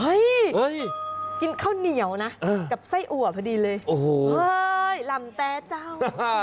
กินข้าวเหนียวนะกับไส้อัวพอดีเลยโอ้โหเฮ้ยลำแต้เจ้า